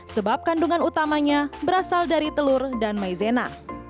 sebab kandungan utamanya berasal dari telur dan maizena